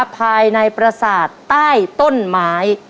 ภายในประสาทใต้ต้นไม้